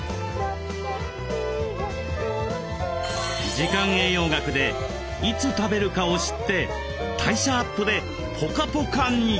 「時間栄養学」でいつ食べるかを知って代謝アップでポカポカに！